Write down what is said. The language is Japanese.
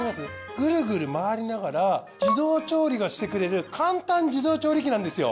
グルグル回りながら自動調理がしてくれる簡単自動調理器なんですよ。